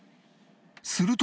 すると